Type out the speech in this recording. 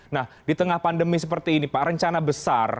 nah di tengah pandemi seperti ini pak rencana besar